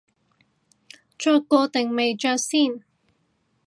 着過定未着先